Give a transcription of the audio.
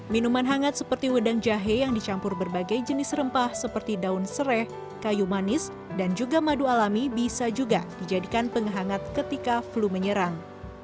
minuman hangat seperti wedang jahe yang dicampur berbagai jenis rempah seperti daun serai kayu manis dan juga madu alami bisa juga dijadikan penghangat ketika flu menyerang